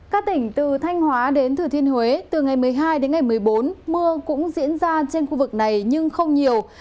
các tỉnh từ thanh hóa đến thừa thiên huế từ ngày một mươi hai đến ngày một mươi bốn mưa cũng diễn ra trên khu vực này nhưng không nhiều